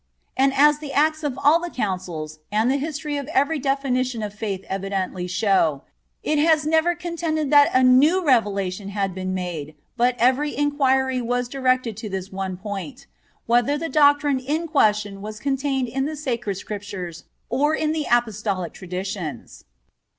And as the acts of all the Councils, and the history of every definition of faith evidently show, it was never contended that a new revelation had been made, but every inquiry was directed to this one point—whether the doctrine in question was contained in the Sacred Scriptures or in the Apostolic traditions.